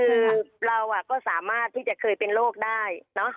คือเราก็สามารถที่จะเคยเป็นโรคได้เนอะ